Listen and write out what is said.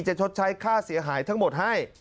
ชดใช้ค่าเสียหายทั้งหมดให้